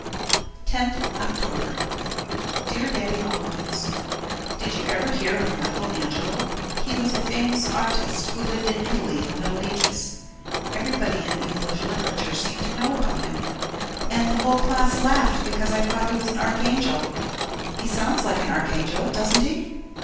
10th October Dear Daddy Long Legs, Did you ever hear of Michael Angelo? He was a famous artist who lived in Italy in the Middle Ages. Everybody in English Literature seemed to know about him, and the whole class laughed because I thought he was an archangel. He sounds like an archangel, doesn't he?